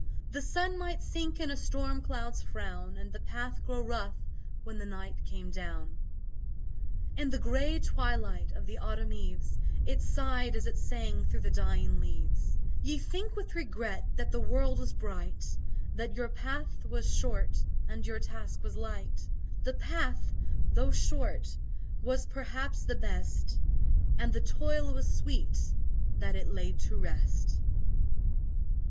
The sun might sink in a storm cloud's frown And the path grow rough when the night came down." In the grey twilight of the autumn eves, It sighed as it sang through the dying leaves: "Ye think with regret that the world was bright, That your path was short and your task was light; The path, though short, was perhaps the best And the toil was sweet, that it led to rest."